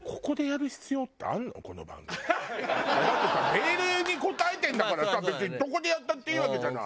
メールに答えてるんだからさ別にどこでやったっていいわけじゃない？